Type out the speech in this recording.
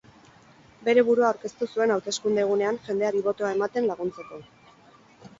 Bere burua aurkeztu zuen hauteskunde egunean jendeari botoa ematen laguntzeko.